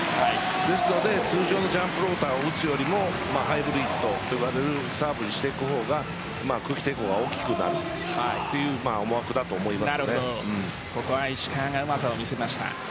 ですので通常のジャンプフローターを打つよりもハイブリッドといわれるサーブにしていく方が空気抵抗が大きくなるというここは石川がうまさを見せました。